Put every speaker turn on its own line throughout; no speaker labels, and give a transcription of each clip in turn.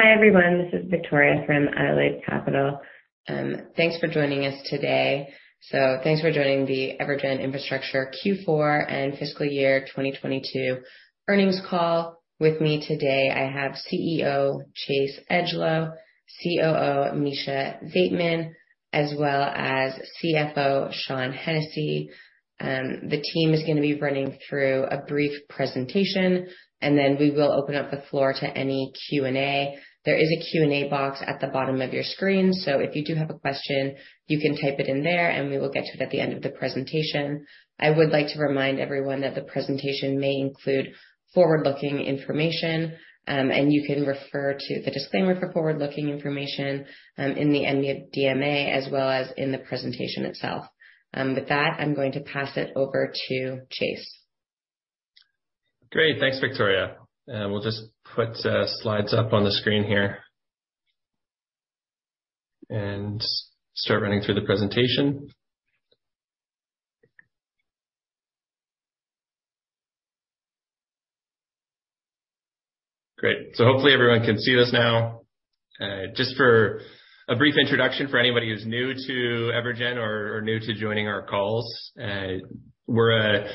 Hi, everyone. This is Victoria from Adelaide Capital. Thanks for joining us today. Thanks for joining the EverGen Infrastructure Corp. Q4 and Fiscal Year 2022 Earnings Call. With me today I have CEO Chase Edgelow, COO Mischa Zajtmann, as well as CFO Sean Hennessy. The team is going to be running through a brief presentation, and then we will open up the floor to any Q&A. There is a Q&A box at the bottom of your screen. If you do have a question, you can type it in there, and we will get to it at the end of the presentation. I would like to remind everyone that the presentation may include forward-looking information, and you can refer to the disclaimer for forward-looking information in the end of MD&A as well as in the presentation itself. With that, I'm going to pass it over to Chase. Great. Thanks, Victoria. We'll just put slides up on the screen here. Start running through the presentation. Great. Hopefully everyone can see this now. Just for a brief introduction for anybody who's new to EverGen or new to joining our calls. We're a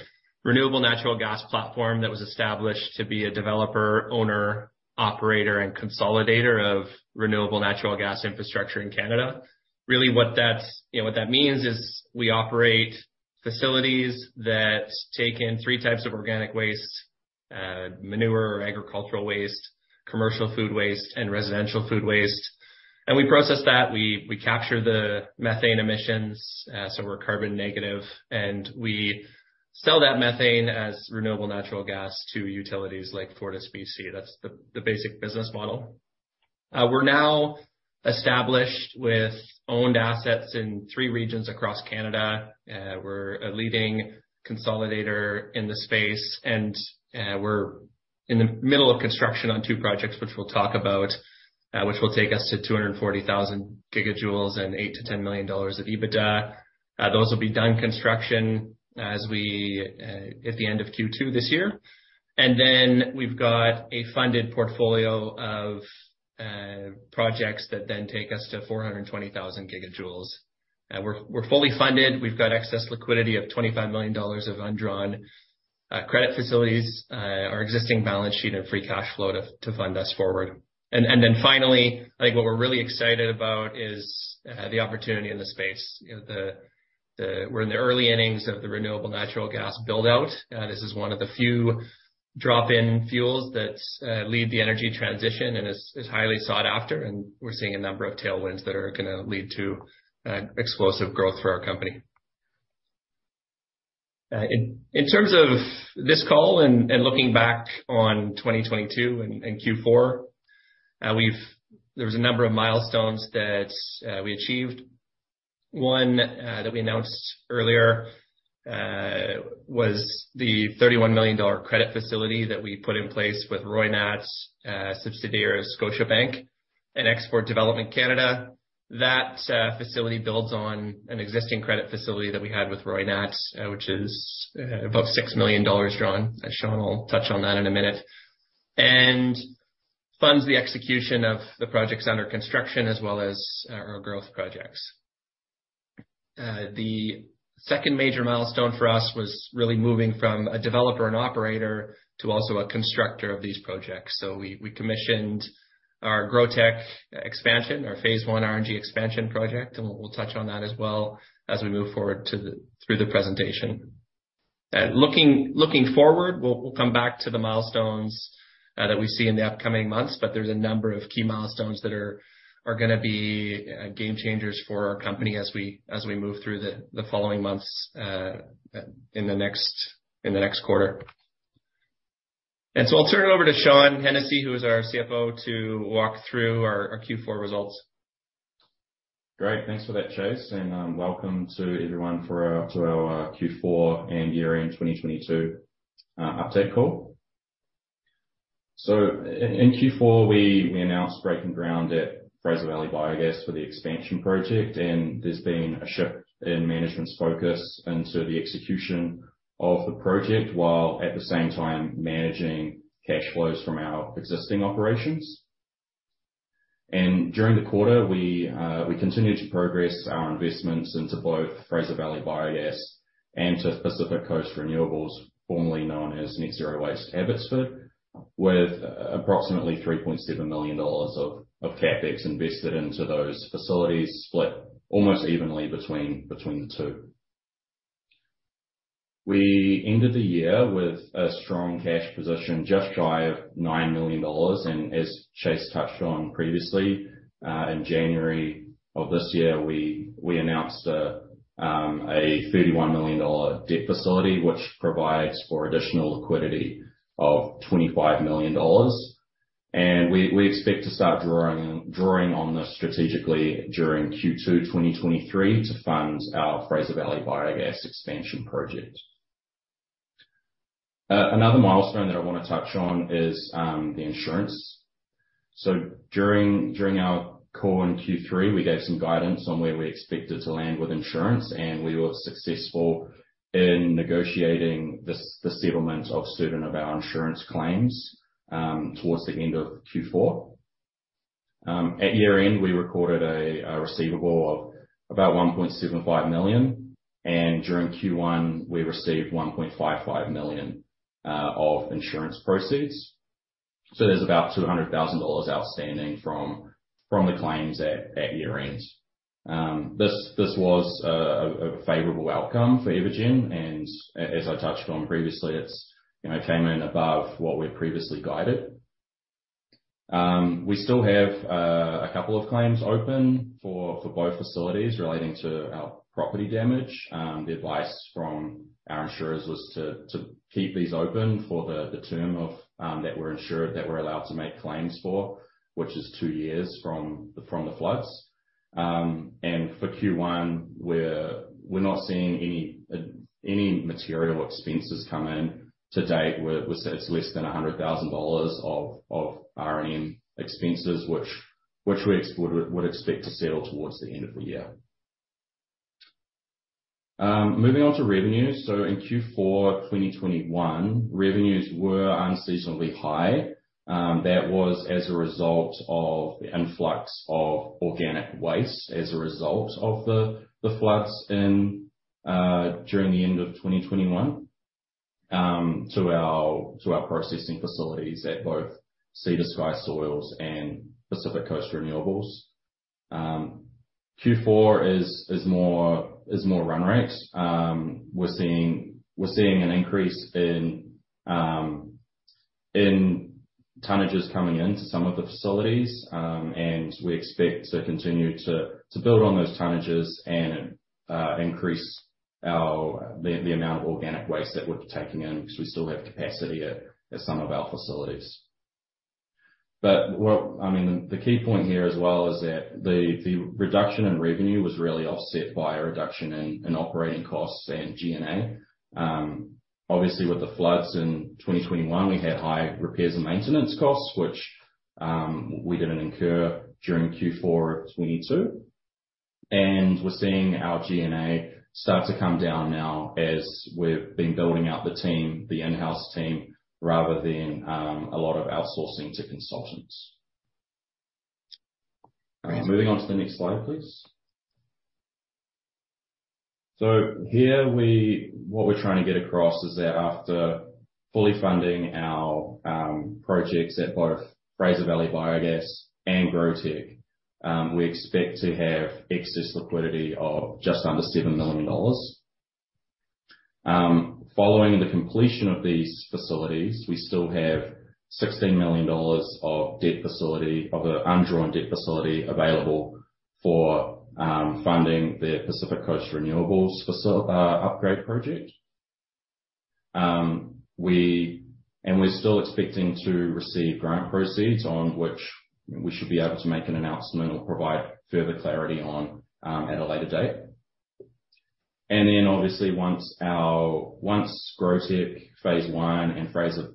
renewable natural gas platform that was established to be a developer, owner, operator, and consolidator of renewable natural gas infrastructure in Canada. Really what that's, you know, what that means is we operate facilities that take in three types of organic waste: manure or agricultural waste, commercial food waste, and residential food waste. We process that. We capture the methane emissions, so we're carbon negative, and we sell that methane as renewable natural gas to utilities like FortisBC. That's the basic business model. We're now established with owned assets in three regions across Canada.
We're a leading consolidator in the space, and we're in the middle of construction on two projects which we'll talk about, which will take us to 240,000 gigajoules and 8 million-10 million dollars of EBITDA. Those will be done construction as we at the end of Q2 this year, and then, we've got a funded portfolio of projects that then take us to 420,000 gigajoules. We're fully funded. We've got excess liquidity of 25 million dollars of undrawn credit facilities, our existing balance sheet and free cash flow to fund us forward. Finally, like what we're really excited about is the opportunity in the space. We're in the early innings of the renewable natural gas build-out. This is one of the few drop-in fuels that lead the energy transition and is highly sought after, and we're seeing a number of tailwinds that are gonna lead to explosive growth for our company. In terms of this call and looking back on 2022 and Q4, there was a number of milestones that we achieved. One that we announced earlier was the 31 million dollar credit facility that we put in place with Roynat's subsidiary of Scotiabank and Export Development Canada. That facility builds on an existing credit facility that we had with Roynat's, which is about 6 million dollars drawn, as Sean will touch on that in a minute. Funds the execution of the projects under construction as well as our growth projects. The second major milestone for us was really moving from a developer and operator to also a constructor of these projects. We commissioned our GrowTEC expansion, our phase one RNG expansion project, and we'll touch on that as well as we move forward through the presentation. Looking forward, we'll come back to the milestones that we see in the upcoming months, but there's a number of key milestones that are gonna be game changers for our company as we move through the following months in the next quarter. I'll turn it over to Sean Hennessy, who is our CFO, to walk through our Q4 results.
Great. Thanks for that, Chase, welcome to everyone to our Q4 and Year-End 2022 update call. In Q4, we announced breaking ground at Fraser Valley Biogas for the expansion project, there's been a shift in management's focus into the execution of the project while at the same time managing cash flows from our existing operations. During the quarter, we continued to progress our investments into both Fraser Valley Biogas and to Pacific Coast Renewables, formerly known as Net Zero Waste Abbotsford, with approximately 3.7 million dollars of CapEx invested into those facilities, split almost evenly between the two. We ended the year with a strong cash position just shy of 9 million dollars. As Chase touched on previously, in January of this year, we announced a 31 million dollar debt facility, which provides for additional liquidity of 25 million dollars. We expect to start drawing on this strategically during Q2 2023 to fund our Fraser Valley Biogas expansion project. Another milestone that I want to touch on is the insurance. During our call in Q3, we gave some guidance on where we expected to land with insurance, and we were successful in negotiating the settlement of certain of our insurance claims towards the end of Q4. At year-end, we recorded a receivable of about 1.75 million, and during Q1, we received 1.55 million of insurance proceeds. There's about 200,000 dollars outstanding from the claims at year-end. This was a favorable outcome for EverGen, as I touched on previously, it's, you know, came in above what we previously guided. We still have a couple of claims open for both facilities relating to our property damage. The advice from our insurers was to keep these open for the term of that we're insured, that we're allowed to make claims for, which is two years from the floods, and for Q1, we're not seeing any material expenses come in to date. It's less than 100,000 dollars of R&M expenses, which we would expect to settle towards the end of the year. Moving on to revenue. In Q4 2021, revenues were unseasonably high. That was as a result of the influx of organic waste as a result of the floods in during the end of 2021 to our processing facilities at both Sea to Sky Soils and Pacific Coast Renewables. Q4 is more run rate. We're seeing an increase in tonnages coming into some of the facilities, and we expect to continue to build on those tonnages and increase the amount of organic waste that we're taking in because we still have capacity at some of our facilities. I mean, the key point here as well is that the reduction in revenue was really offset by a reduction in operating costs and G&A. Obviously, with the floods in 2021, we had high R&M costs, which we didn't incur during Q4 2022. We're seeing our G&A start to come down now as we've been building out the team, the in-house team, rather than a lot of outsourcing to consultants. Moving on to the next slide, please. Here what we're trying to get across is that after fully funding our projects at both Fraser Valley Biogas and GrowTEC, we expect to have excess liquidity of just under 7 million dollars. Following the completion of these facilities, we still have 16 million dollars of debt facility of undrawn debt facility available for funding the Pacific Coast Renewables upgrade project. We're still expecting to receive grant proceeds on which we should be able to make an announcement or provide further clarity on at a later date. obviously, once GrowTEC phase one and Fraser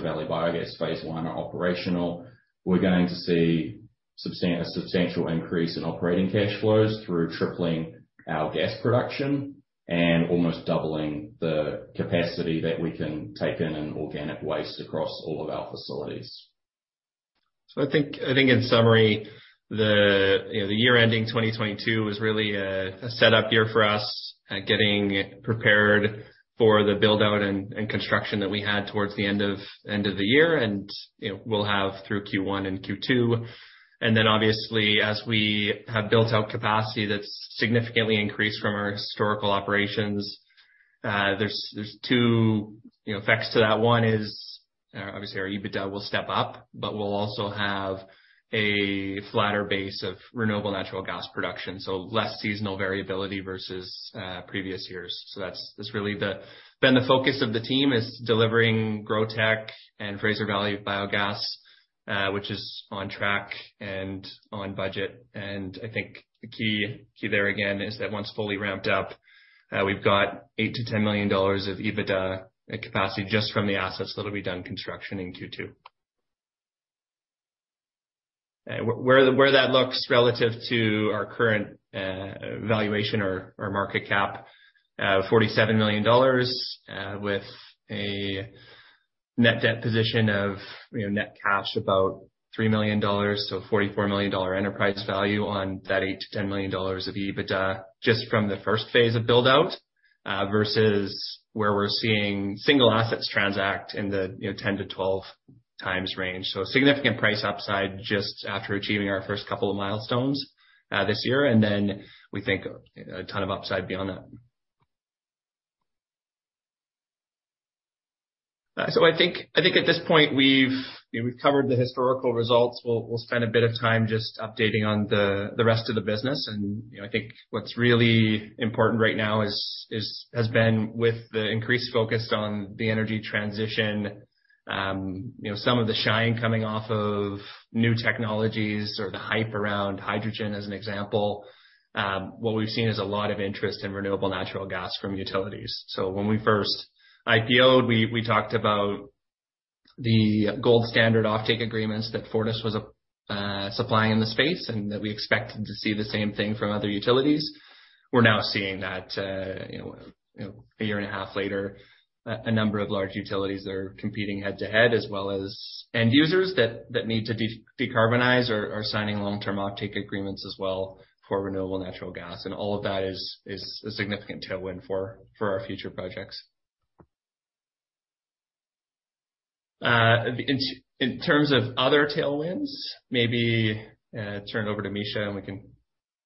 Valley Biogas phase one are operational, we're going to see a substantial increase in operating cash flows through tripling our gas production and almost doubling the capacity that we can take in in organic waste across all of our facilities.
I think in summary, the, you know, the year ending 2022 was really a setup year for us, getting prepared for the build-out and construction that we had towards the end of the year and, you know, we'll have through Q1 and Q2. Obviously, as we have built out capacity that's significantly increased from our historical operations, there's two, you know, effects to that. One is, obviously our EBITDA will step up, but we'll also have a flatter base of renewable natural gas production, so less seasonal variability versus previous years. That's really the. The focus of the team is delivering GrowTEC and Fraser Valley Biogas, which is on track and on budget. I think the key there again is that once fully ramped up, we've got 8 million-10 million dollars of EBITDA capacity just from the assets that'll be done construction in Q2. where that looks relative to our current valuation or market cap, 47 million dollars, with a net debt position of, you know, net cash about 3 million dollars, so 44 million dollar enterprise value on that 8 million-10 million dollars of EBITDA just from the phase I of build-out, versus where we're seeing single assets transact in the, you know, 10-12x range. A significant price upside just after achieving our first couple of milestones this year, then we think a ton of upside beyond that. I think at this point we've, you know, we've covered the historical results. We'll spend a bit of time just updating on the rest of the business. You know, I think what's really important right now has been with the increased focus on the energy transition, you know, some of the shine coming off of new technologies or the hype around hydrogen, as an example. What we've seen is a lot of interest in renewable natural gas from utilities. When we first IPO'd, we talked about the gold standard offtake agreements that Fortis was supplying in the space, and that we expected to see the same thing from other utilities. We're now seeing that, you know, a year and a half later, a number of large utilities are competing head-to-head as well as end users that need to decarbonize are signing long-term offtake agreements as well for renewable natural gas, and all of that is a significant tailwind for our future projects. In terms of other tailwinds, maybe, turn over to Mischa Zajtmann, and we can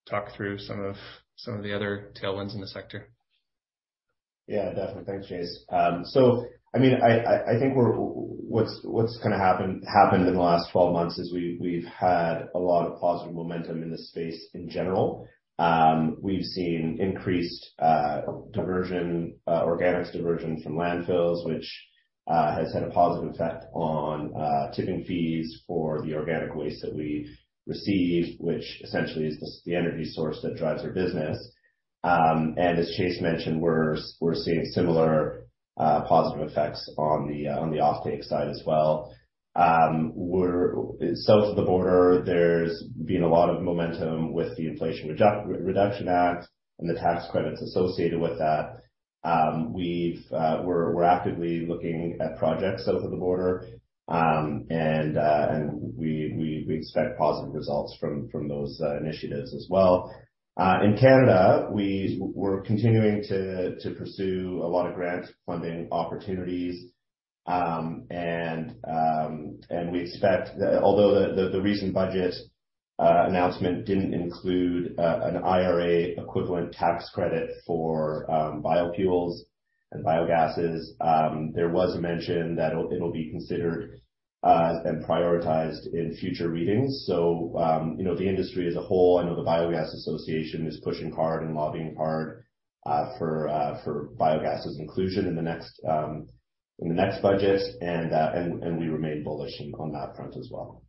talk through some of the other tailwinds in the sector.
Yeah, definitely. Thanks, Chase. I mean, I think what's kind of happened in the last twelve months is we've had a lot of positive momentum in the space in general. We've seen increased diversion, organics diversion from landfills, which has had a positive effect on tipping fees for the organic waste that we've received, which essentially is the energy source that drives our business. As Chase mentioned, we're seeing similar positive effects on the offtake side as well. South of the border, there's been a lot of momentum with the Inflation Reduction Act and the tax credits associated with that. We're actively looking at projects over the border, and we expect positive results from those initiatives as well. In Canada, we're continuing to pursue a lot of grant funding opportunities. We expect that although the recent budget announcement didn't include an IRA equivalent tax credit for biofuels and biogases, there was a mention that it'll be considered and prioritized in future readings. You know, the industry as a whole, I know the Biogas Association is pushing hard and lobbying hard for biogas' inclusion in the next budget, and we remain bullish on that front as well.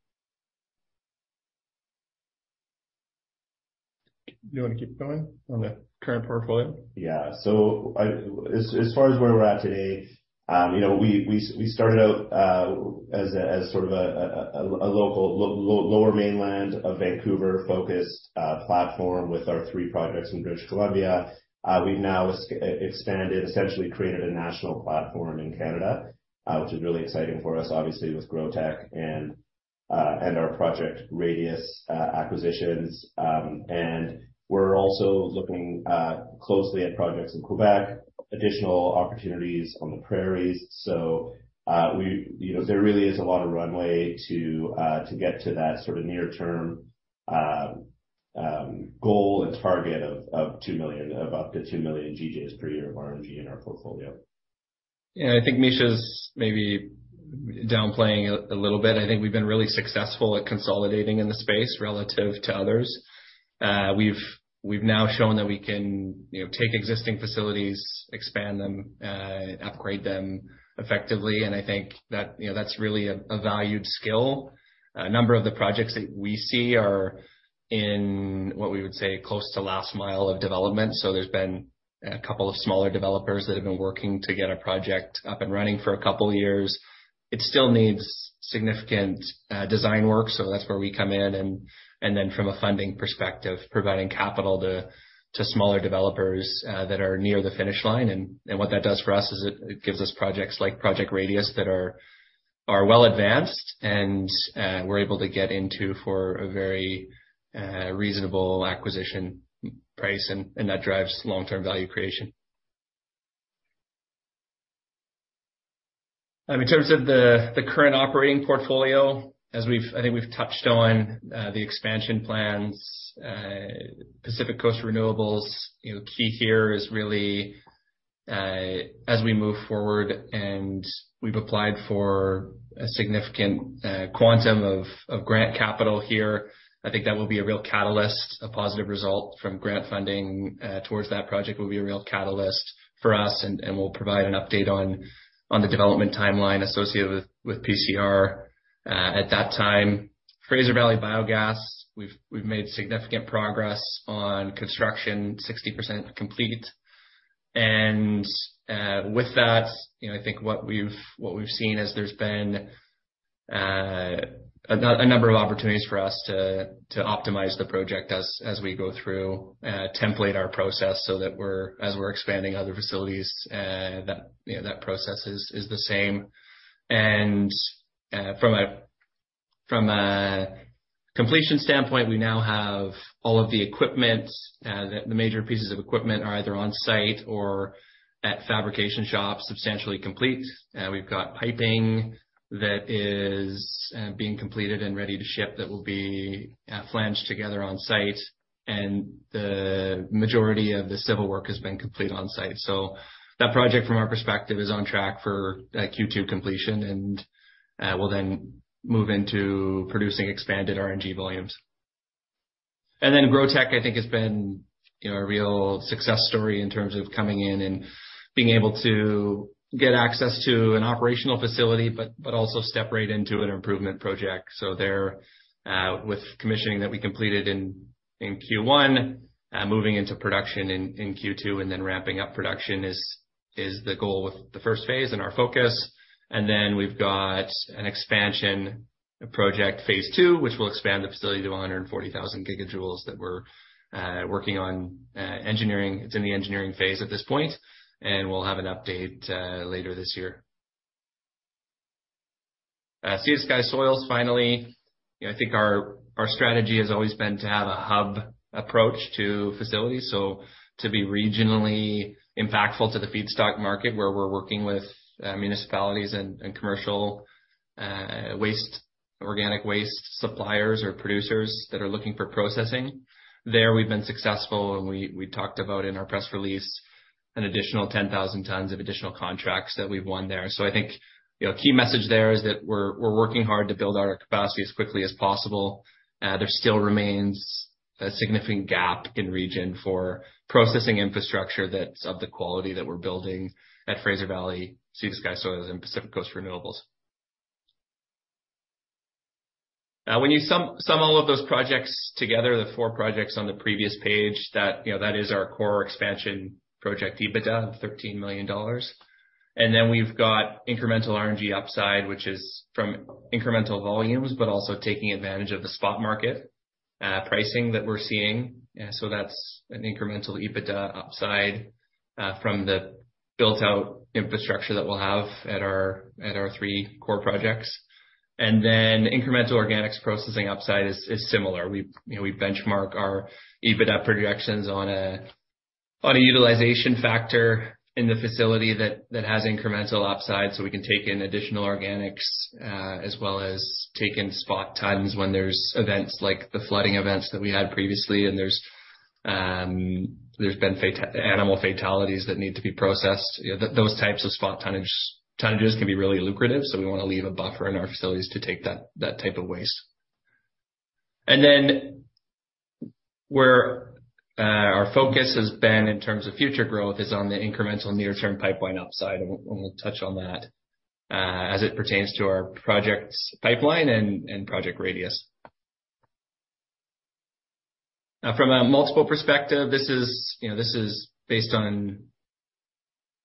You want to keep going on the current portfolio?
Yeah. As far as where we're at today, you know, we started out as sort of a local, lower mainland of Vancouver-focused platform with our three projects in British Columbia. We've now expanded, essentially created a national platform in Canada, which is really exciting for us, obviously, with GrowTEC and our Project Radius acquisitions. We're also looking closely at projects in Quebec, additional opportunities on the prairies. you know, there really is a lot of runway to get to that sort of near-term goal and target of up to 2 million GJ per year of RNG in our portfolio.
Yeah, I think Mischa's maybe downplaying a little bit. I think we've been really successful at consolidating in the space relative to others. We've now shown that we can, you know, take existing facilities, expand them, upgrade them effectively, and I think that, you know, that's really a valued skill. A number of the projects that we see are in what we would say close to last mile of development. There's been a couple of smaller developers that have been working to get a project up and running for a couple years. It still needs significant design work, so that's where we come in, and then from a funding perspective, providing capital to smaller developers that are near the finish line. What that does for us is it gives us projects like Project Radius that are well advanced and we're able to get into for a very reasonable acquisition price, and that drives long-term value creation. In terms of the current operating portfolio, as I think we've touched on the expansion plans, Pacific Coast Renewables. You know, key here is really as we move forward, and we've applied for a significant quantum of grant capital here. I think that will be a real catalyst, a positive result from grant funding towards that project will be a real catalyst for us, and we'll provide an update on the development timeline associated with PCR at that time. Fraser Valley Biogas, we've made significant progress on construction, 60% complete. With that, you know, I think what we've seen is there's been a number of opportunities for us to optimize the project as we go through, template our process so that as we're expanding other facilities, you know, that process is the same. From a completion standpoint, we now have all of the equipment. The major pieces of equipment are either on-site or at fabrication shops, substantially complete. We've got piping that is being completed and ready to ship that will be flanged together on-site, and the majority of the civil work has been completed on-site. That project from our perspective, is on track for a Q2 completion, and we'll then move into producing expanded RNG volumes. GrowTEC, I think has been, you know, a real success story in terms of coming in and being able to get access to an operational facility, but also step right into an improvement project. There, with commissioning that we completed in Q1, moving into production in Q2 and ramping up production is the goal with the phase I and our focus. We've got an expansion project phase 2, which will expand the facility to 140,000 gigajoules that we're working on engineering. It's in the engineering phase at this point, and we'll have an update later this year. Sea to Sky Soils, finally, you know, I think our strategy has always been to have a hub approach to facilities, so to be regionally impactful to the feedstock market where we're working with municipalities and commercial waste, organic waste suppliers or producers that are looking for processing. There, we've been successful, and we talked about in our press release an additional 10,000 tons of additional contracts that we've won there. I think, you know, key message there is that we're working hard to build out our capacity as quickly as possible. There still remains a significant gap in region for processing infrastructure that's of the quality that we're building at Fraser Valley, Sea to Sky Soils, and Pacific Coast Renewables. When you sum all of those projects together, the 4 projects on the previous page, that, you know, that is our core expansion project EBITDA of CAD 13 million. We've got incremental RNG upside, which is from incremental volumes, but also taking advantage of the spot market pricing that we're seeing. That's an incremental EBITDA upside from the built-out infrastructure that we'll have at our 3 core projects. Incremental organics processing upside is similar. You know, we benchmark our EBITDA projections on a utilization factor in the facility that has incremental upside, so we can take in additional organics, as well as take in spot tons when there's events like the flooding events that we had previously. There's been animal fatalities that need to be processed. You know, those types of spot tonnages can be really lucrative, so we want to leave a buffer in our facilities to take that type of waste. Then where our focus has been in terms of future growth is on the incremental near-term pipeline upside. We'll touch on that as it pertains to our projects pipeline and Project Radius. From a multiple perspective, this is, you know, this is based on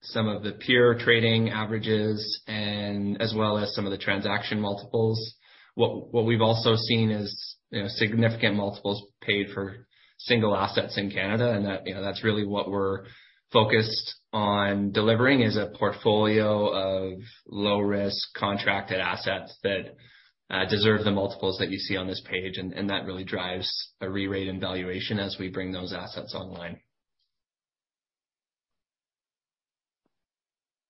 some of the peer trading averages and as well as some of the transaction multiples. What we've also seen is, you know, significant multiples paid for single assets in Canada, and that, you know, that's really what we're focused on delivering, is a portfolio of low-risk contracted assets that deserve the multiples that you see on this page. That really drives a re-rate in valuation as we bring those assets online.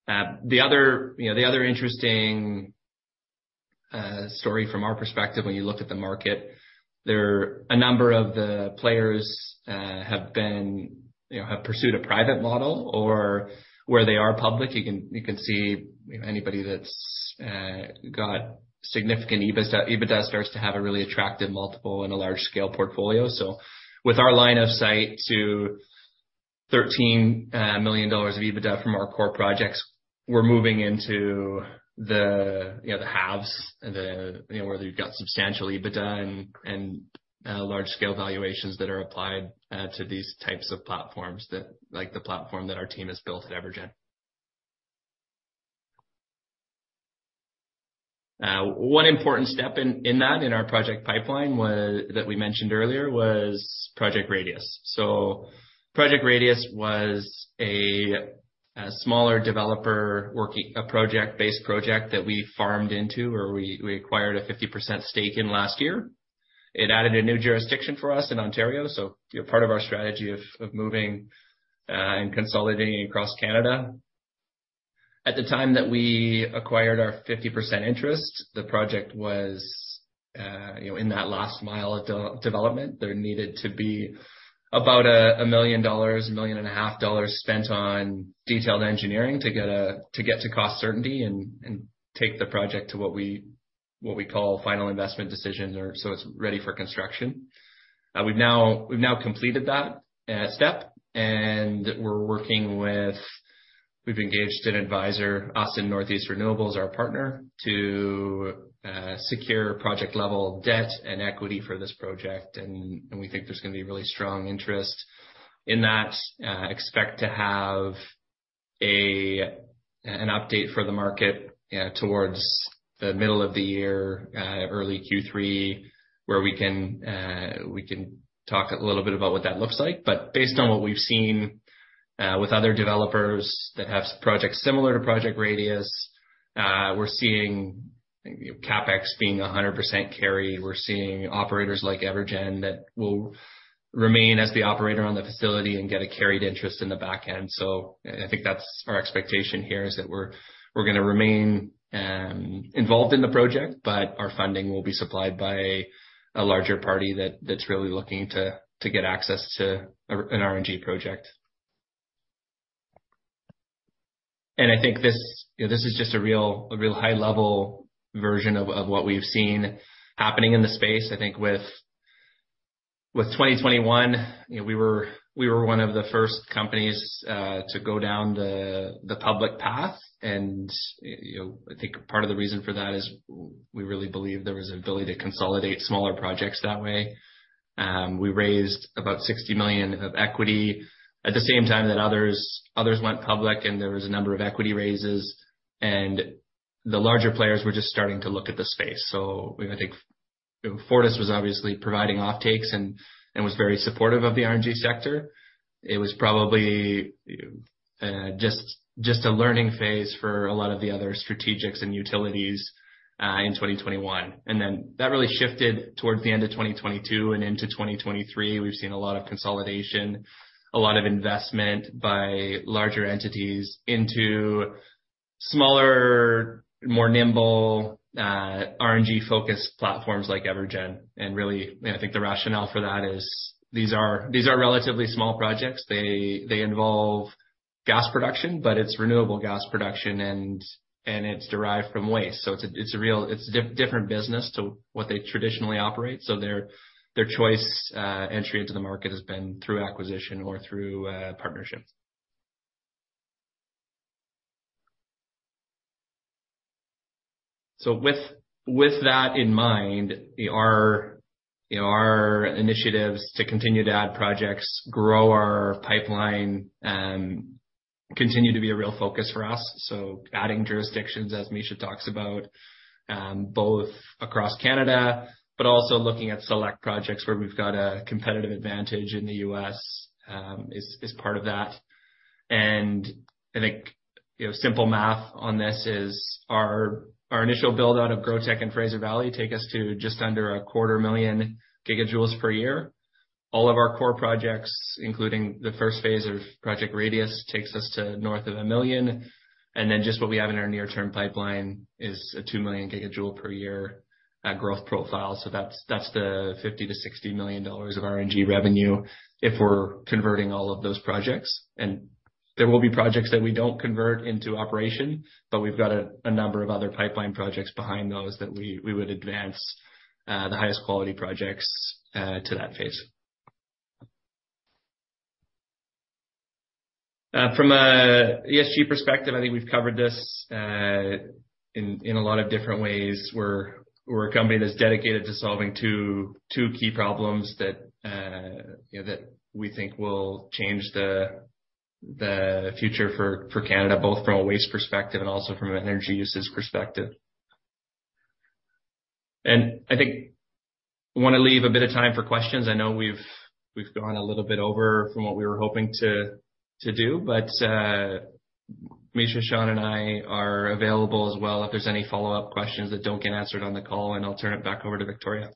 The other, you know, the other interesting story from our perspective when you look at the market, there are a number of the players, have been, you know, have pursued a private model or where they are public. You can see anybody that's got significant EBITDA. EBITDA starts to have a really attractive multiple and a large-scale portfolio. With our line of sight to 13 million dollars of EBITDA from our core projects, we're moving into the, you know, haves, the, you know, where you've got substantial EBITDA and large-scale valuations that are applied to these types of platforms that, like the platform that our team has built at EverGen. One important step in that, in our project pipeline that we mentioned earlier was Project Radius. Project Radius was a smaller developer working a project, base project that we farmed into, or we acquired a 50% stake in last year. It added a new jurisdiction for us in Ontario, you know, part of our strategy of moving and consolidating across Canada. At the time that we acquired our 50% interest, the project was, you know, in that last mile of de-development. There needed to be about 1 million dollars, a million and a half dollars spent on detailed engineering to get to cost certainty and take the project to what we call final investment decision or so it's ready for construction. We've now completed that step. We've engaged an advisor, Northeast Renewables LP, our partner, to secure project-level debt and equity for this project. We think there's going to be really strong interest in that. Expect to have an update for the market towards the middle of the year, early Q3, where we can talk a little bit about what that looks like. Based on what we've seen with other developers that have projects similar to Project Radius, we're seeing, you know, CapEx being 100% carried. We're seeing operators like EverGen that will remain as the operator on the facility and get a carried interest in the back end. I think that's our expectation here, is that we're gonna remain involved in the project, but our funding will be supplied by a larger party that's really looking to get access to an RNG project. I think this, you know, this is just a real high-level version of what we've seen happening in the space. I think with 2021, you know, we were one of the first companies to go down the public path. You know, I think part of the reason for that is we really believe there was an ability to consolidate smaller projects that way. We raised about 60 million of equity at the same time that others went public, and there was a number of equity raises, and the larger players were just starting to look at the space. I think Fortis was obviously providing offtakes and was very supportive of the RNG sector. It was probably just a learning phase for a lot of the other strategics and utilities in 2021. That really shifted towards the end of 2022 and into 2023. We've seen a lot of consolidation, a lot of investment by larger entities into smaller, more nimble, RNG-focused platforms like EverGen. Really, I think the rationale for that is these are relatively small projects. They involve gas production, but it's renewable gas production, and it's derived from waste. It's a real different business to what they traditionally operate. Their choice, entry into the market has been through acquisition or through partnerships. With that in mind, our initiatives to continue to add projects, grow our pipeline, continue to be a real focus for us. Adding jurisdictions, as Mischa talks about, both across Canada, but also looking at select projects where we've got a competitive advantage in the U.S., is part of that. I think, you know, simple math on this is our initial build-out of GrowTEC and Fraser Valley take us to just under a quarter million gigajoules per year. All of our core projects, including the phase I of Project Radius, takes us to north of 1 million. Just what we have in our near-term pipeline is a 2 million gigajoule per year growth profile. That's the 50 million-60 million dollars of RNG revenue if we're converting all of those projects. There will be projects that we don't convert into operation, but we've got a number of other pipeline projects behind those that we would advance the highest quality projects to that phase. From an ESG perspective, I think we've covered this in a lot of different ways. We're a company that's dedicated to solving two key problems that we think will change the future for Canada, both from a waste perspective and also from an energy usage perspective. I think I want to leave a bit of time for questions. I know we've gone a little bit over from what we were hoping to do. Mischa, Sean, and I are available as well if there's any follow-up questions that don't get answered on the call. I'll turn it back over to Victoria.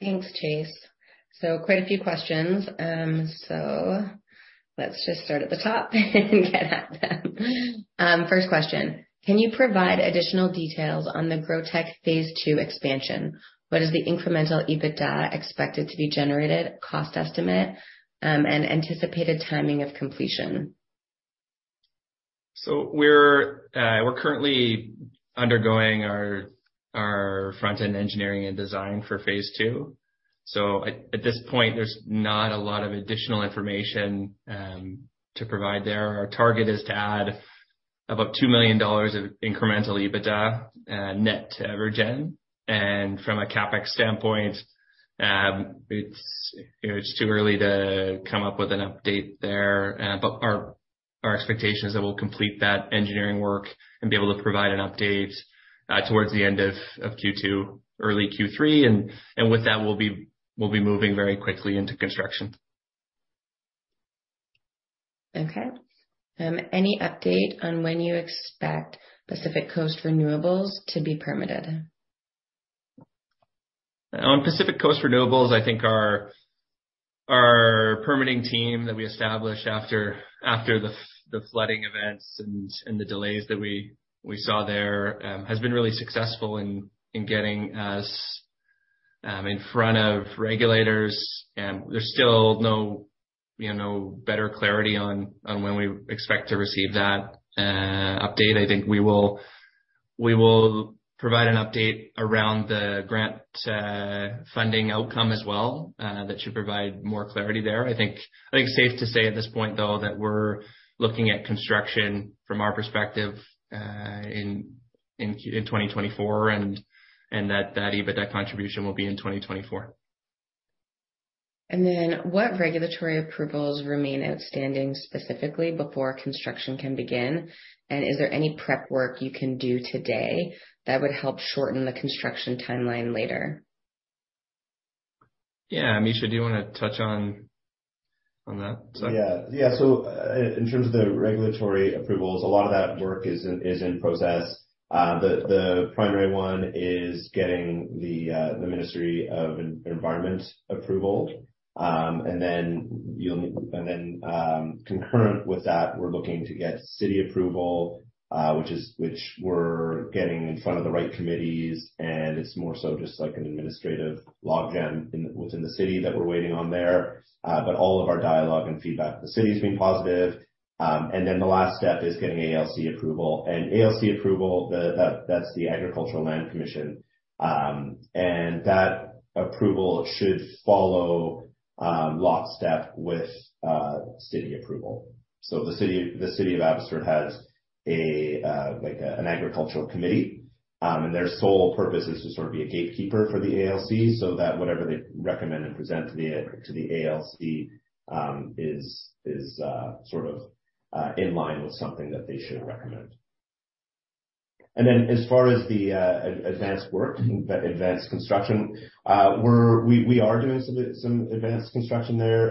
Thanks, Chase. Quite a few questions. Let's just start at the top and get at them. First question, can you provide additional details on the GrowTEC phase two expansion? What is the incremental EBITDA expected to be generated, cost estimate, and anticipated timing of completion?
We're currently undergoing our front-end engineering and design for phase two. At this point, there's not a lot of additional information to provide there. Our target is to add about 2 million dollars of incremental EBITDA net to EverGen. From a CapEx standpoint, it's, you know, it's too early to come up with an update there. Our expectation is that we'll complete that engineering work and be able to provide an update towards the end of Q2, early Q3. With that, we'll be moving very quickly into construction.
Okay. Any update on when you expect Pacific Coast Renewables to be permitted?
On Pacific Coast Renewables, I think our permitting team that we established after the flooding events and the delays that we saw there, has been really successful in getting us in front of regulators. There's still no, you know, no better clarity on when we expect to receive that update. I think we will provide an update around the grant funding outcome as well. That should provide more clarity there. I think it's safe to say at this point, though, that we're looking at construction from our perspective in 2024, and that EBITDA contribution will be in 2024.
What regulatory approvals remain outstanding specifically before construction can begin? Is there any prep work you can do today that would help shorten the construction timeline later?
Yeah. Mischa, do you wanna touch on that side?
Yeah. In terms of the regulatory approvals, a lot of that work is in process. The primary one is getting the Ministry of Environment approval. Then, concurrent with that, we're looking to get city approval, which we're getting in front of the right committees, and it's more so just like an administrative log jam within the city that we're waiting on there. All of our dialogue and feedback with the city has been positive. Then the last step is getting ALC approval. ALC approval, that's the Agricultural Land Commission. That approval should follow lockstep with city approval. The city of Abbotsford has like an agricultural committee, and their sole purpose is to sort of be a gatekeeper for the ALC so that whatever they recommend and present to the ALC is sort of in line with something that they should recommend. As far as the advanced work, the advanced construction, we are doing some advanced construction there.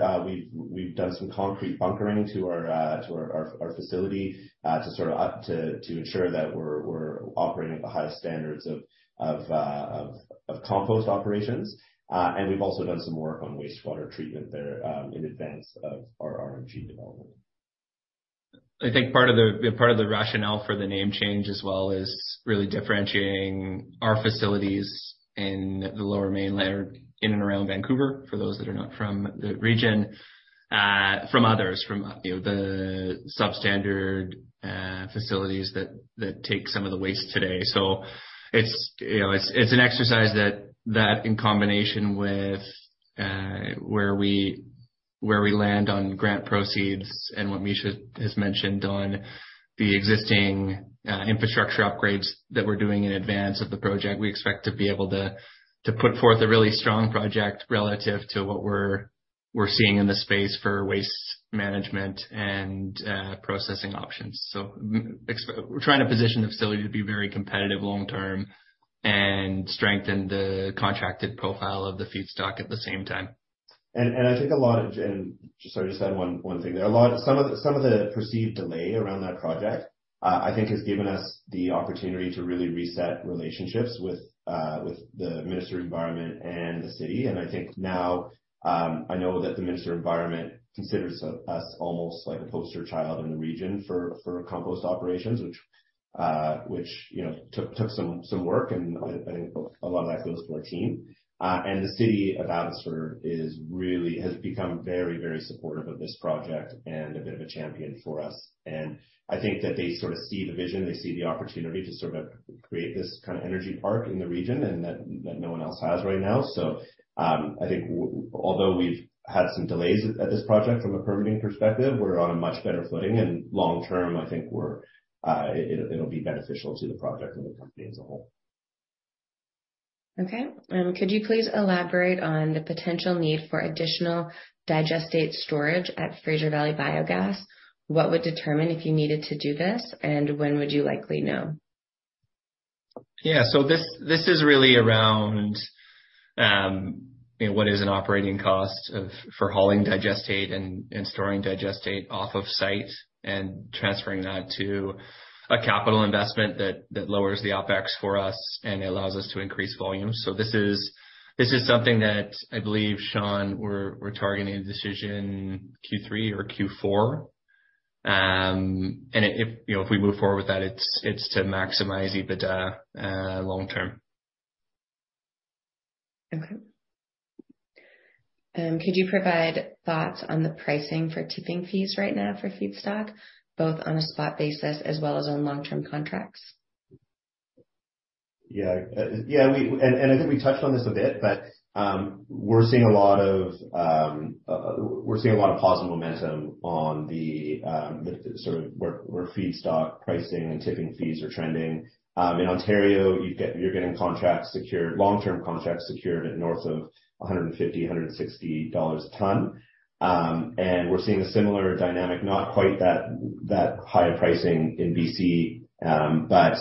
We've done some concrete bunkering to our facility to ensure that we're operating at the highest standards of compost operations. We've also done some work on wastewater treatment there in advance of our RNG development.
I think part of the rationale for the name change as well is really differentiating our facilities in the Lower Mainland, in and around Vancouver, for those that are not from the region, from others, from, you know, the substandard facilities that take some of the waste today. It's, you know, it's an exercise that in combination with where we land on grant proceeds and what Mischa has mentioned on the existing infrastructure upgrades that we're doing in advance of the project, we expect to be able to put forth a really strong project relative to what we're seeing in the space for waste management and processing options. We're trying to position the facility to be very competitive long term and strengthen the contracted profile of the feedstock at the same time.
I think a lot of, and sorry, just add one thing there. Some of the perceived delay around that project, I think has given us the opportunity to really reset relationships with the Minister of Environment and the city. I think now, I know that the Minister of Environment considers us almost like a poster child in the region for compost operations, which, you know, took some work. I think a lot of that goes to our team. The city of Abbotsford has become very, very supportive of this project and a bit of a champion for us. I think that they sort of see the vision, they see the opportunity to sort of create this kind of energy park in the region and that no one else has right now. I think although we've had some delays at this project from a permitting perspective, we're on a much better footing. Long term, I think it'll be beneficial to the project and the company as a whole.
Could you please elaborate on the potential need for additional digestate storage at Fraser Valley Biogas? What would determine if you needed to do this, and when would you likely know?
This, this is really around, you know, what is an operating cost for hauling digestate and storing digestate off of site and transferring that to a capital investment that lowers the OpEx for us and allows us to increase volume. This is, this is something that I believe, Sean, we're targeting a decision Q3 or Q4. If, you know, if we move forward with that, it's to maximize EBITDA, long term.
Could you provide thoughts on the pricing for tipping fees right now for feedstock, both on a spot basis as well as on long-term contracts?
I think we touched on this a bit, but we're seeing a lot of positive momentum on the sort of where feedstock pricing and tipping fees are trending. In Ontario, you're getting contracts secured, long-term contracts secured at north of 150, 160 dollars a ton. We're seeing a similar dynamic, not quite that high pricing in BC, but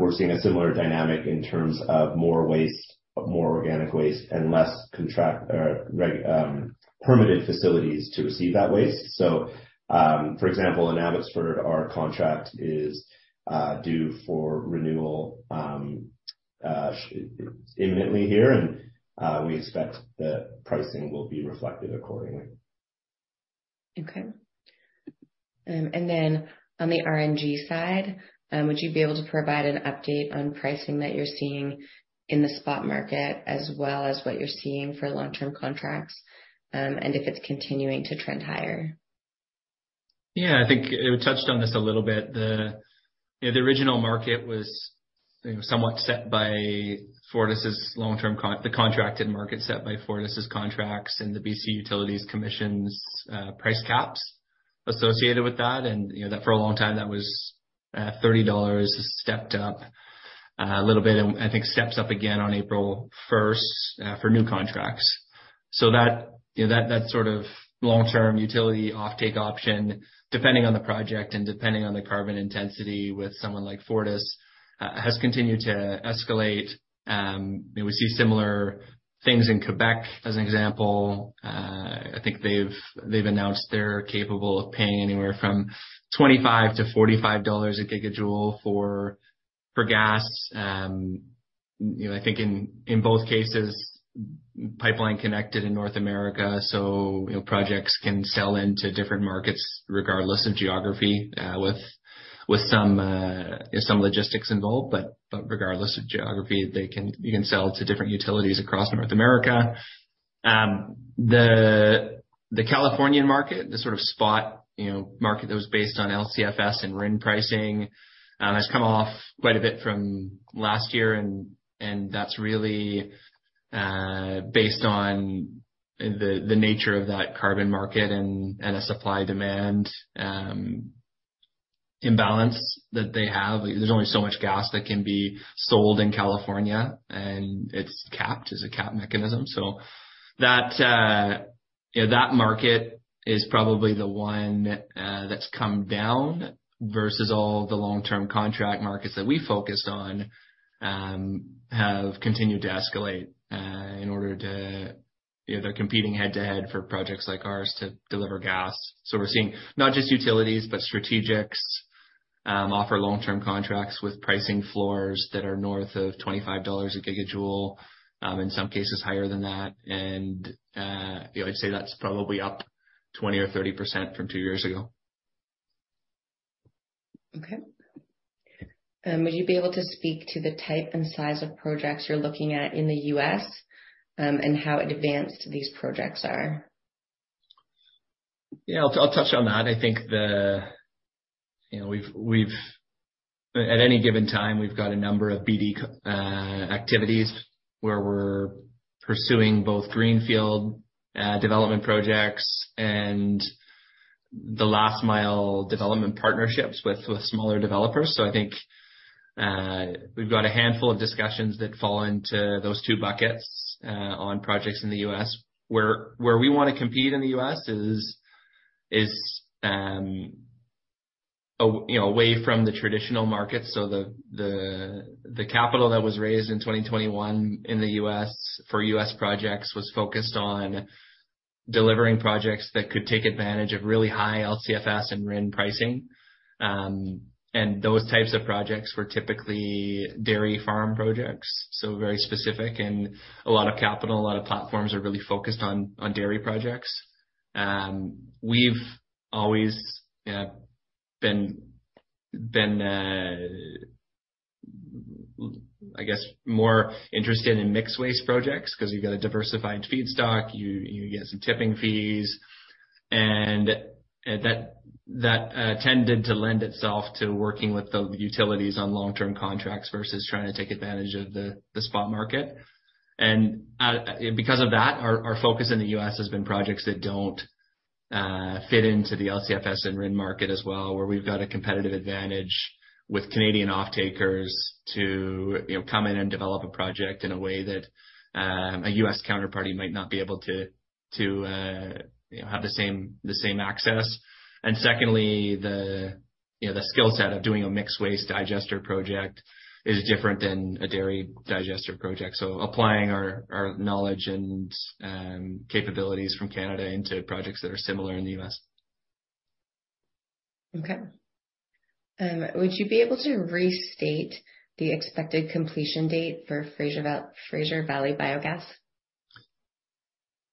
we're seeing a similar dynamic in terms of more waste, more organic waste and less contract or permitted facilities to receive that waste. For example, in Abbotsford, our contract is due for renewal imminently here, we expect that pricing will be reflected accordingly.
Okay. On the RNG side, would you be able to provide an update on pricing that you're seeing in the spot market as well as what you're seeing for long-term contracts, and if it's continuing to trend higher?
Yeah. I think we touched on this a little bit. The, you know, the original market was, you know, somewhat set by Fortis's long-term contracted market set by Fortis's contracts and the BC Utilities Commission's price caps associated with that. You know, that for a long time, that was 30 dollars, stepped up a little bit and I think steps up again on April 1st for new contracts. That, you know, that sort of long-term utility offtake option, depending on the project and depending on the carbon intensity with someone like Fortis, has continued to escalate. You know, we see similar things in Quebec as an example. I think they've announced they're capable of paying anywhere from 25-45 dollars a gigajoule for gas. You know, I think in both cases, pipeline connected in North America, so, you know, projects can sell into different markets regardless of geography, with some logistics involved. Regardless of geography, you can sell to different utilities across North America. The, the Californian market, the sort of spot, you know, market that was based on LCFS and RIN pricing, has come off quite a bit from last year. That's really based on the nature of that carbon market and a supply demand imbalance that they have. There's only so much gas that can be sold in California, and it's capped. It's a capped mechanism. That, you know, that market is probably the one that's come down versus all the long-term contract markets that we focused on, have continued to escalate, in order to. You know, they're competing head to head for projects like ours to deliver gas. We're seeing not just utilities, but strategics, offer long-term contracts with pricing floors that are north of 25 dollars a gigajoule, in some cases higher than that. You know, I'd say that's probably up 20% or 30% from 2 years ago.
Okay. Would you be able to speak to the type and size of projects you're looking at in the U.S., and how advanced these projects are?
Yeah, I'll touch on that. I think, you know, at any given time, we've got a number of BD activities where we're pursuing both greenfield development projects and the last mile development partnerships with smaller developers. I think we've got a handful of discussions that fall into those two buckets on projects in the US. Where we wanna compete in the US is, you know, away from the traditional markets. The capital that was raised in 2021 in the US for US projects was focused on delivering projects that could take advantage of really high LCFS and RIN pricing, and those types of projects were typically dairy farm projects, so very specific and a lot of capital, a lot of platforms are really focused on dairy projects. We've always, I guess, more interested in mixed waste projects 'cause you've got a diversified feedstock, you get some tipping fees. That tended to lend itself to working with the utilities on long-term contracts versus trying to take advantage of the spot market. Because of that, our focus in the US has been projects that don't fit into the LCFS and RIN market as well, where we've got a competitive advantage with Canadian offtakers to, you know, come in and develop a project in a way that a US counterparty might not be able to, you know, have the same access. Secondly, the skill set of doing a mixed waste digester project is different than a dairy digester project. Applying our knowledge and capabilities from Canada into projects that are similar in the U.S.
Okay. Would you be able to restate the expected completion date for Fraser Valley Biogas?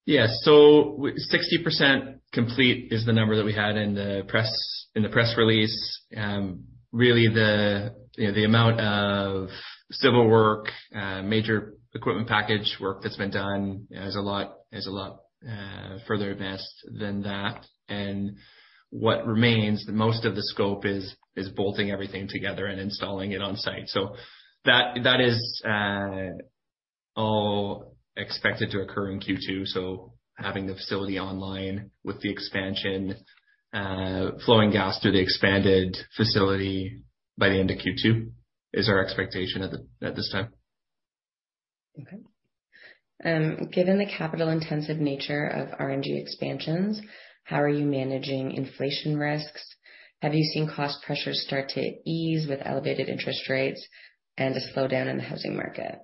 Yeah. 60% complete is the number that we had in the press release. Really the, you know, the amount of civil work, major equipment package work that's been done is a lot further advanced than that. What remains, the most of the scope is bolting everything together and installing it on site. That is all expected to occur in Q2. Having the facility online with the expansion, flowing gas through the expanded facility by the end of Q2 is our expectation at this time.
Okay. Given the capital-intensive nature of RNG expansions, how are you managing inflation risks? Have you seen cost pressures start to ease with elevated interest rates and a slowdown in the housing market?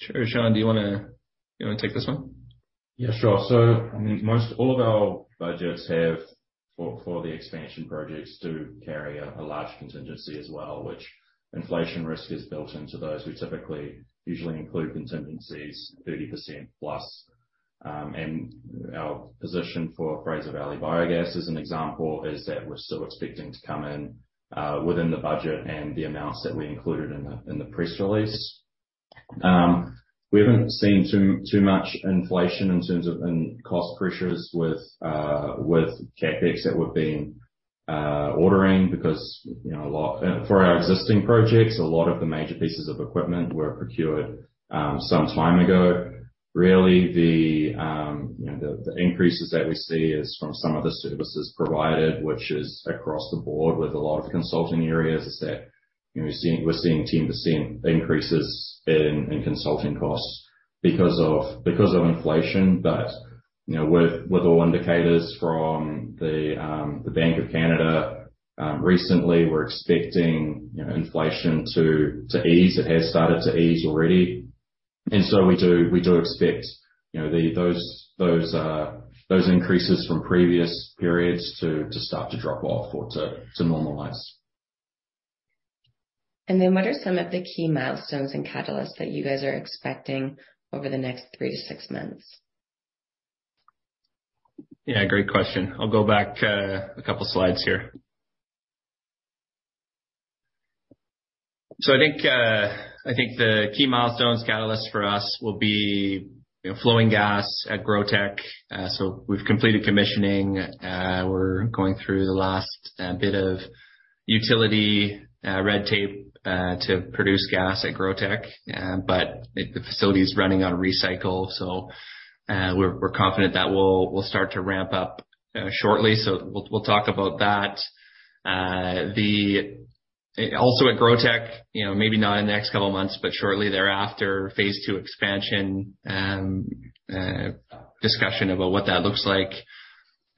Sure. Sean, do you wanna take this one?
Yeah, sure. Most all of our budgets for the expansion projects do carry a large contingency as well, which inflation risk is built into those. We typically usually include contingencies 30%+. Our position for Fraser Valley Biogas as an example, is that we're still expecting to come in within the budget and the amounts that we included in the press release. We haven't seen too much inflation in cost pressures with CapEx that we've been ordering because, you know, For our existing projects, a lot of the major pieces of equipment were procured some time ago. Really, the, you know, the increases that we see is from some of the services provided, which is across the board with a lot of consulting areas, is that, you know, we're seeing 10% increases in consulting costs because of inflation. You know, with all indicators from the Bank of Canada recently, we're expecting, you know, inflation to ease. It has started to ease already. We do expect, you know, those increases from previous periods to start to drop off or to normalize.
What are some of the key milestones and catalysts that you guys are expecting over the next three to six months?
Yeah, great question. I'll go back a couple slides here. I think the key milestones catalyst for us will be, you know, flowing gas at GrowTEC. We've completed commissioning. We're going through the last bit of utility red tape to produce gas at GrowTEC. The facility is running on recycle. We're confident that we'll start to ramp up shortly. We'll talk about that. Also at GrowTEC, you know, maybe not in the next couple of months, but shortly thereafter, phase two expansion, discussion about what that looks like.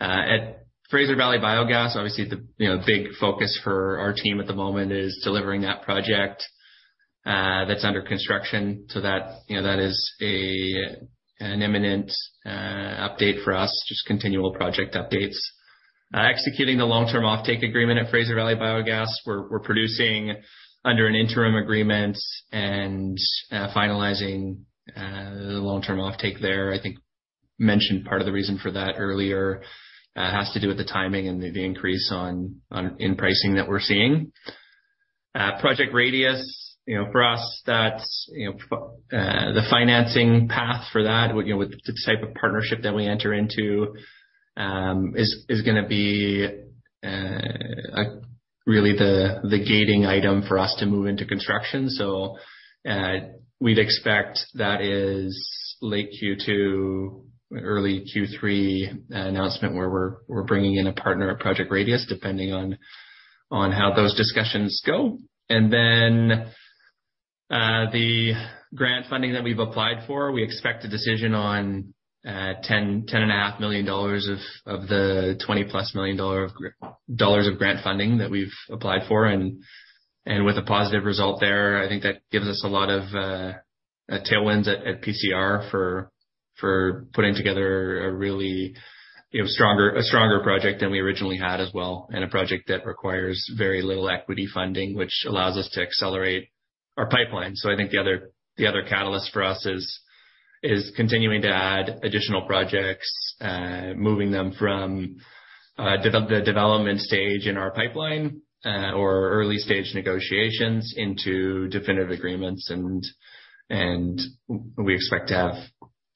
At Fraser Valley Biogas, obviously the, you know, big focus for our team at the moment is delivering that project that's under construction. That, you know, that is an imminent update for us, just continual project updates. Executing the long-term offtake agreement at Fraser Valley Biogas. We're producing under an interim agreement and finalizing the long-term offtake there. I think mentioned part of the reason for that earlier, has to do with the timing and the increase in pricing that we're seeing. Project Radius, you know, for us, that's, you know, the financing path for that. You know, with the type of partnership that we enter into, is gonna be really the gating item for us to move into construction. We'd expect that is late Q2, early Q3 announcement where we're bringing in a partner at Project Radius, depending on how those discussions go. The grant funding that we've applied for, we expect a decision on 10 and a half million dollars of the 20+ million dollar of grant funding that we've applied for. With a positive result there, I think that gives us a lot of tailwinds at PCR for putting together a really, you know, a stronger project than we originally had as well, and a project that requires very little equity funding, which allows us to accelerate our pipeline. I think the other catalyst for us is continuing to add additional projects, moving them from the development stage in our pipeline or early-stage negotiations into definitive agreements. We expect to have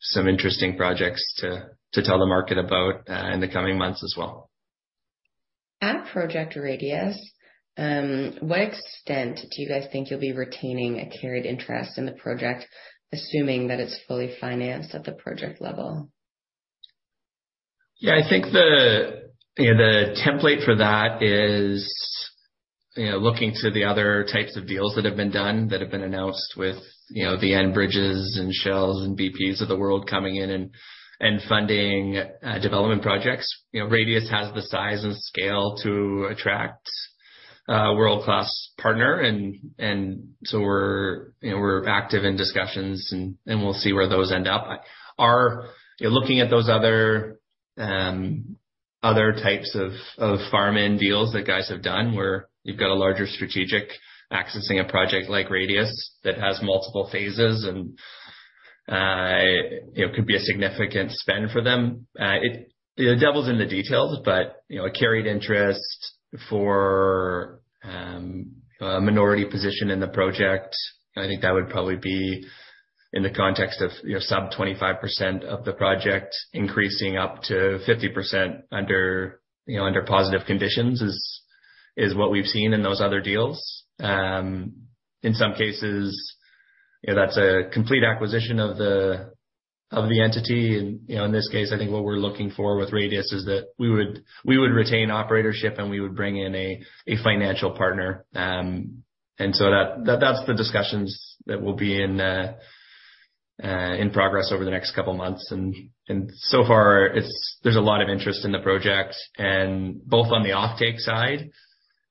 some interesting projects to tell the market about in the coming months as well.
At Project Radius, what extent do you guys think you'll be retaining a carried interest in the project, assuming that it's fully financed at the project level?
Yeah, I think the, you know, the template for that is, you know, looking to the other types of deals that have been done that have been announced with, you know, the Enbridges and Shells and BPs of the world coming in and funding development projects. You know, Radius has the size and scale to attract a world-class partner. We're, you know, active in discussions and we'll see where those end up. Looking at those other types of farm-in deals that guys have done where you've got a larger strategic accessing a project like Radius that has multiple phases and, you know, could be a significant spend for them. The devil's in the details, you know, a carried interest for a minority position in the project. I think that would probably be in the context of, you know, sub 25% of the project increasing up to 50% under, you know, under positive conditions is what we've seen in those other deals. In some cases, you know, that's a complete acquisition of the, of the entity. You know, in this case, I think what we're looking for with Project Radius is that we would, we would retain operatorship, and we would bring in a financial partner. That, that's the discussions that will be in progress over the next couple of months. So far, there's a lot of interest in the project and both on the offtake side,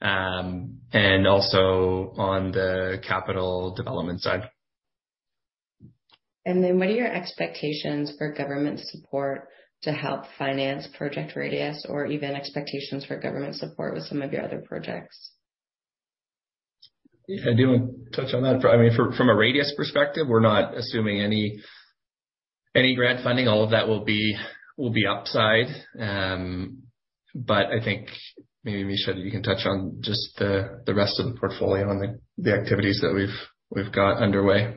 and also on the capital development side.
What are your expectations for government support to help finance Project Radius or even expectations for government support with some of your other projects?
Yeah. Do you want to touch on that? I mean, from a Radius perspective, we're not assuming any grant funding. All of that will be upside. I think maybe, Mischa, you can touch on just the rest of the portfolio and the activities that we've got underway.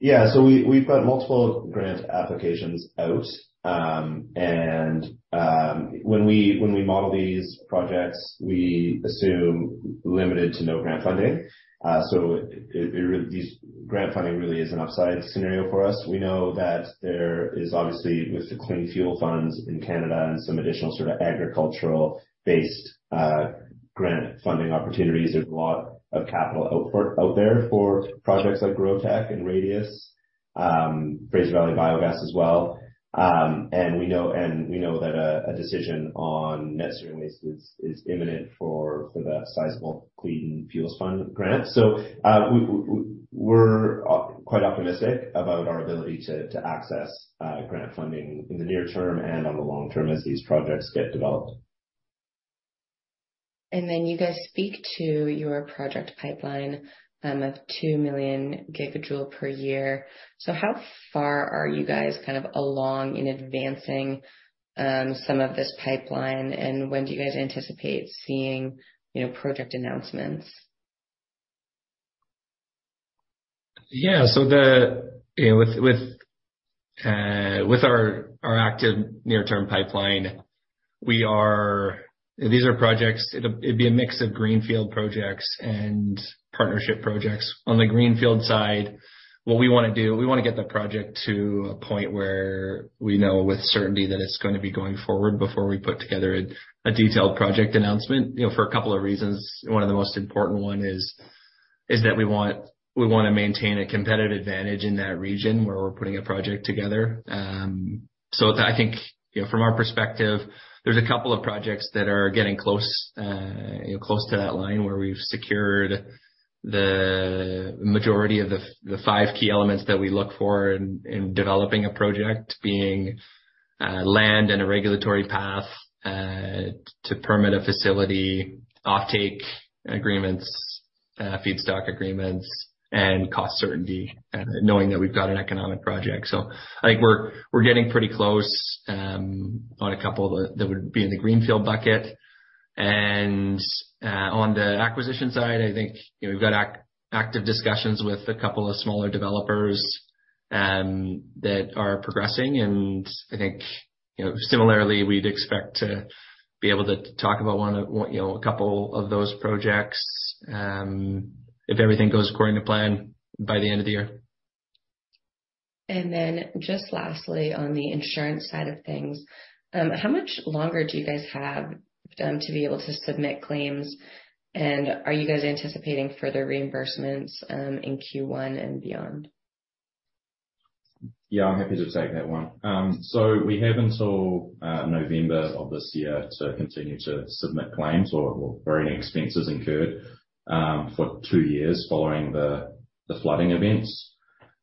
We've got multiple grant applications out. When we model these projects, we assume limited to no grant funding. These grant funding really is an upside scenario for us. We know that there is obviously, with the Clean Fuels Fund in Canada and some additional sort of agricultural-based grant funding opportunities, there's a lot of capital out there for projects like GrowTEC and Radius, Fraser Valley Biogas as well. We know that a decision on Net Zero Waste Abbotsford is imminent for the sizable Clean Fuels Fund grant. We're quite optimistic about our ability to access grant funding in the near term and on the long term as these projects get developed.
You guys speak to your project pipeline of 2 million gigajoule per year. How far are you guys kind of along in advancing some of this pipeline? When do you guys anticipate seeing, you know, project announcements?
Yeah. You know, with our active near-term pipeline, it'd be a mix of greenfield projects and partnership projects. On the greenfield side, what we wanna do, we wanna get the project to a point where we know with certainty that it's gonna be going forward before we put together a detailed project announcement, you know, for a couple of reasons. One of the most important one is that we wanna maintain a competitive advantage in that region where we're putting a project together. I think, you know, from our perspective, there's a couple of projects that are getting close to that line where we've secured the majority of the 5 key elements that we look for in developing a project, being land and a regulatory path to permit a facility, offtake agreements, feedstock agreements, and cost certainty, knowing that we've got an economic project. I think we're getting pretty close on a couple that would be in the greenfield bucket. On the acquisition side, I think, you know, we've got active discussions with a couple of smaller developers that are progressing. I think, you know, similarly, we'd expect to be able to talk about one of, you know, a couple of those projects if everything goes according to plan by the end of the year.
Just lastly, on the insurance side of things, how much longer do you guys have to be able to submit claims? Are you guys anticipating further reimbursements in Q1 and beyond?
Yeah. I'm happy to take that one. We have until November of this year to continue to submit claims or any expenses incurred for 2 years following the flooding events.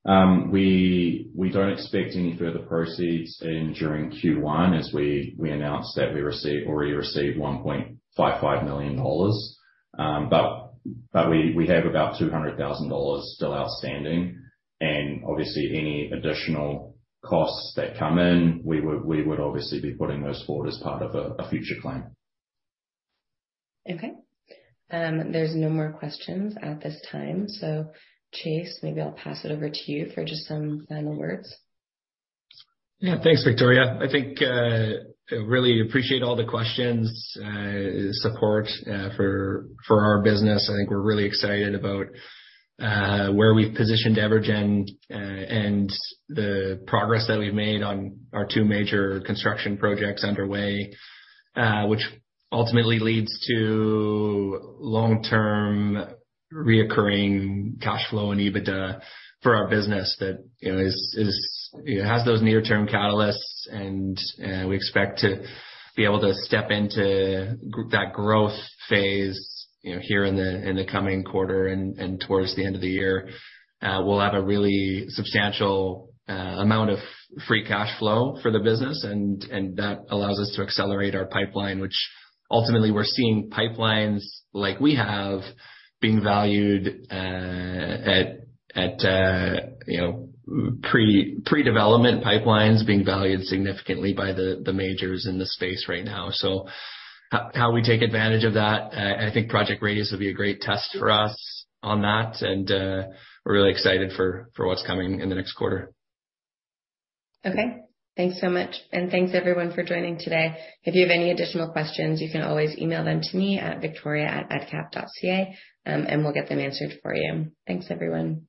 We don't expect any further proceeds during Q1 as we announced that we already received 1.55 million dollars. We have about 200,000 dollars still outstanding. Obviously any additional costs that come in, we would obviously be putting those forward as part of a future claim.
Okay. There's no more questions at this time. Chase, maybe I'll pass it over to you for just some final words.
Yeah. Thanks, Victoria. I think I really appreciate all the questions, support for our business. I think we're really excited about where we've positioned EverGen and the progress that we've made on our two major construction projects underway, which ultimately leads to long-term reoccurring cash flow and EBITDA for our business that, you know, is, you know, has those near-term catalysts, and we expect to be able to step into that growth phase, you know, here in the coming quarter and towards the end of the year. We'll have a really substantial amount of free cash flow for the business and that allows us to accelerate our pipeline, which ultimately we're seeing pipelines like we have being valued at, you know, pre-development pipelines being valued significantly by the majors in the space right now. How we take advantage of that, I think Project Radius will be a great test for us on that, we're really excited for what's coming in the next quarter.
Okay. Thanks so much, and thanks everyone for joining today. If you have any additional questions, you can always email them to me at victoria@adcap.ca, and we'll get them answered for you. Thanks, everyone.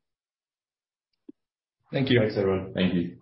Thank you.
Thanks, everyone. Thank you.